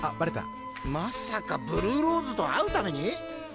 まさかブルーローズと会うために？